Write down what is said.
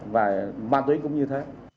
và ma túy cũng như thế